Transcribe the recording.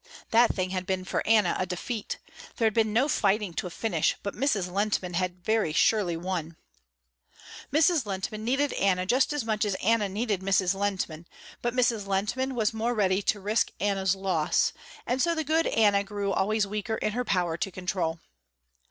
That thing had been for Anna a defeat. There had been no fighting to a finish but Mrs. Lehntman had very surely won. Mrs. Lehntman needed Anna just as much as Anna needed Mrs. Lehntman, but Mrs. Lehntman was more ready to risk Anna's loss, and so the good Anna grew always weaker in her power to control.